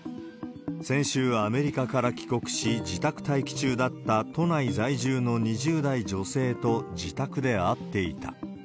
先週、アメリカから帰国し自宅待機中だった都内在住の２０代女性と自宅で会っていた。